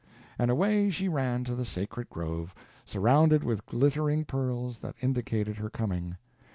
And away she ran to the sacred grove, surrounded with glittering pearls, that indicated her coming.